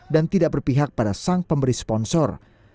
dan tidak berpihak pada sang pemberi sponsor